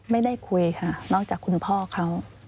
ไม่ได้คุยค่ะนอกจากคุณพ่อเขา